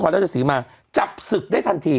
ก็จะสิมากรับศึกได้ทันที